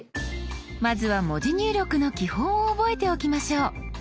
まずは文字入力の基本を覚えておきましょう。